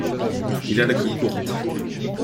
Il a la queue courte.